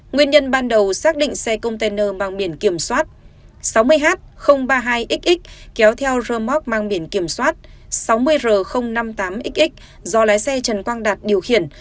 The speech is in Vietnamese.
nguyên nhân ban đầu xác định xe container mang biển kiểm soát sáu mươi h ba mươi hai xx kéo theo rơ móc mang biển kiểm soát sáu mươi r năm mươi tám xx do lái xe trần quang đạt điều khiển